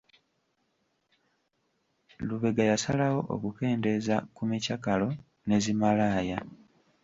Lubega yasalawo okukendeeza ku micakalo ne zimalaaya.